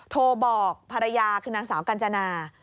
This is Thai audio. โทรบอกภรรยาคือนางสาวกัญจนา